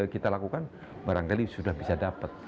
kita lakukan barangkali sudah bisa dapat